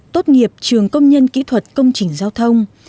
tốt nghiệp trường công nhân kỹ thuật công trình giao thông